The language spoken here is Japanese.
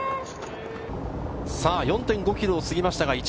４．５ｋｍを過ぎました。